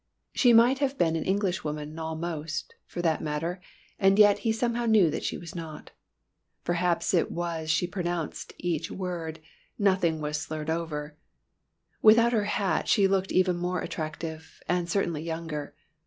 She might have been an Englishwoman almost, for that matter, and yet he somehow knew that she was not. Perhaps it was she pronounced each word; nothing was slurred over. Without her hat she looked even more attractive, and certainly younger.